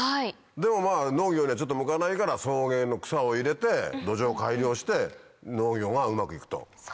でも農業にはちょっと向かないから草原の草を入れて土壌を改良して農業がうまく行くと。